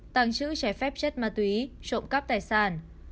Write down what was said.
tặng chữ trái phép chất ma túy trộm cắp tài sản